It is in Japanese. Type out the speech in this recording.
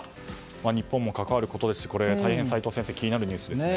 日本も関わることですし大変、齋藤先生気になるニュースですね。